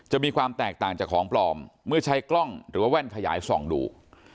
มีความแตกต่างจากของปลอมเมื่อใช้กล้องหรือว่าแว่นขยายส่องดู